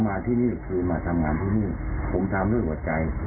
มาที่นี่คือมาทำงานที่นี่ผมทำเรื่องหัวใจ